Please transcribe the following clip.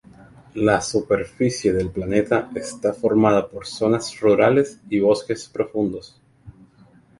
La superficie del planeta está formada por zonas rurales y bosques profundos.